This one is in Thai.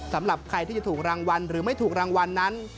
สำหรับใครที่จะถูกรางวัลหรือไม่ถูกรางวัลนั้น